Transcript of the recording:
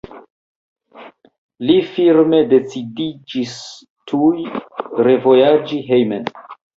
Li firme decidiĝis tuj revojaĝi hejmen.